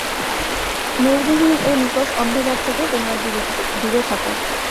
নূরবিহীন এ নিকষ অন্ধকার থেকে তোমরা দূরে থাক।